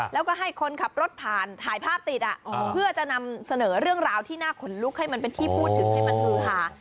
แล้วก็ให้คนขับรถผ่านถ่ายภาพติดเพื่อจะนำเสนอเรื่องราวที่น่าขนลุกให้มันเป็นที่พูดถึงให้มันฮือหา